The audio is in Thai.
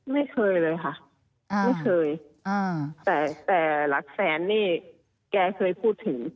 ไม่เคยเลยค่ะไม่เคยแต่แต่หลักแสนนี่แกเคยพูดถึง